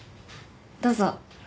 どうぞ。